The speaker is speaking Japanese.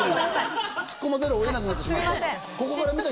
突っ込まざるを得なくなりました。